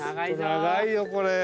長いよこれ。